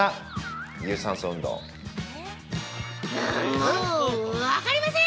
◆あもう分かりません。